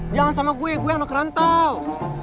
jangan sama gue gue yang ngekerantau